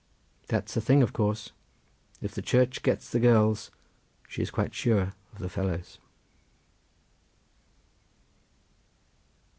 That's a thing of course. If the Church gets the girls she is quite sure of the fellows."